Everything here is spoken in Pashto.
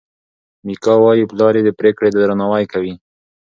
میکا وايي پلار یې د پرېکړې درناوی کوي.